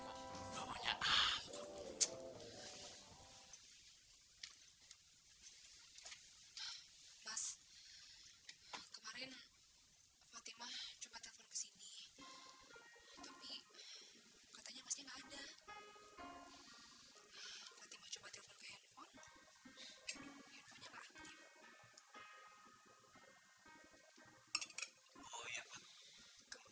jatuh di tangan dia